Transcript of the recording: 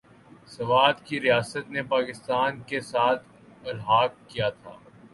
سوات کی ریاست نے پاکستان کے ساتھ الحاق کیا تھا ۔